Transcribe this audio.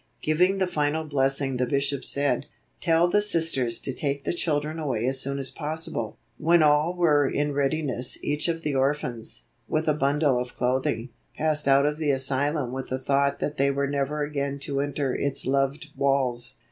Giving the final blessing the Bishop said: "Tell the Sisters to take the children away as soon as possible." When all were in readiness each of the orphans, with a bundle of clothing, passed out of the asylum with the thought that they were never again to enter its loved walls.